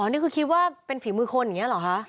นี่คือคิดว่าเป็นฝีมือคนอย่างนี้เหรอคะ